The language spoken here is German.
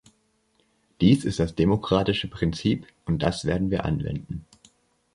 Dies ist das demokratische Prinzip und das werden wir anwenden.